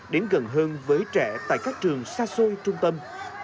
đến gần hơn với trẻ tại các trường xa xôi trung tâm